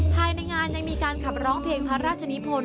ภายในงานยังมีการขับร้องเพลงพระราชนิพล